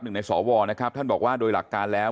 ในสวนะครับท่านบอกว่าโดยหลักการแล้ว